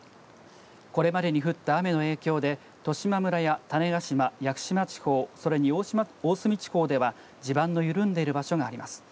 これまでに降った雨の影響で十島村や種子島・屋久島地方、それに大隅地方では地盤の緩んでいる場所があります。